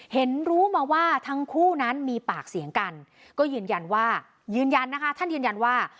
เห็นรู้มาว่าทั้งคู่นั้นมีปากเสียงกันก็ยืนยันว่ายืนยันนะคะท่านยืนยันว่า